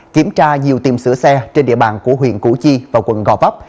kiểm tra nhiều tiệm sửa xe trên địa bàn của huyện củ chi và quận gò vấp